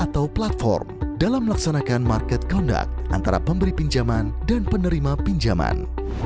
dan platform dalam melaksanakan market conduct antara pemberi pinjaman dan penerima pinjaman